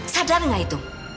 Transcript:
sadar gak itu